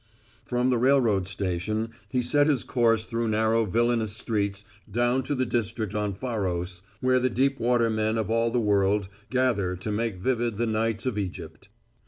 From the railroad station, he set his course through narrow villainous streets down to the district on Pharos, where the deep water men of all the world gather to make vivid the nights of Egypt.